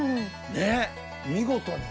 ねっ見事に。